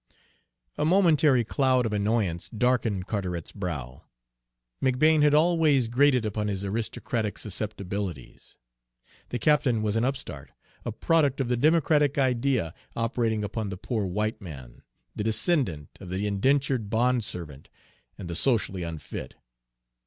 A momentary cloud of annoyance darkened Carteret's brow. McBane had always grated upon his aristocratic susceptibilities. The captain was an upstart, a product of the democratic idea operating upon the poor white man, the descendant of the indentured bondservant and the socially unfit.